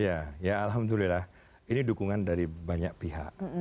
ya ya alhamdulillah ini dukungan dari banyak pihak